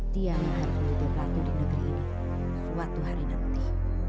tiang harus berlatih di negeri ini suatu hari nanti